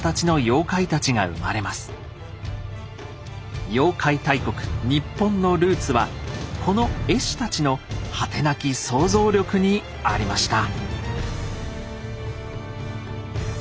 妖怪大国ニッポンのルーツはこの絵師たちの果てなき想像力にありました。